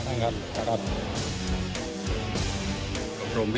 สวัสดีครับ